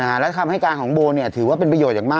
และคำให้การของโบเนี่ยถือว่าเป็นประโยชน์อย่างมาก